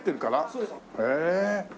そうです。